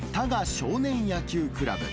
少年野球クラブ。